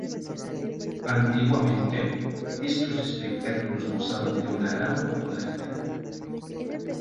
Antiguamente estos espectáculos gozaban de una gran popularidad.